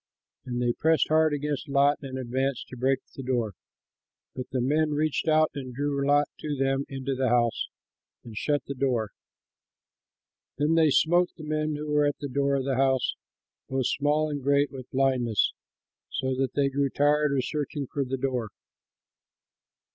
And they pressed hard against Lot and advanced to break the door. But the men reached out and drew Lot to them into the house and shut the door. Then they smote the men who were at the door of the house, both small and great, with blindness, so that they grew tired of searching for the door.